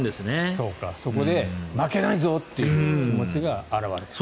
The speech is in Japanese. そうか、そこで負けないぞという気持ちが表れてくる。